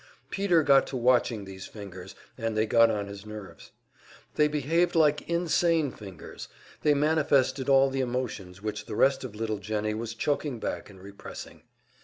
Peter got to watching these fingers, and they got on his nerves. They behaved like insane fingers; they manifested all the emotions which the rest of little Jennie was choking back and repressing.